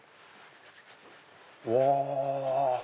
うわ！